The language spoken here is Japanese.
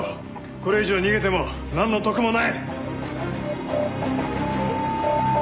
これ以上逃げてもなんの得もない。